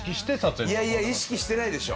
いやいや意識してないでしょ。